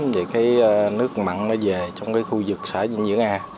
về cái nước mặn nó về trong cái khu vực xã vinh dưỡng a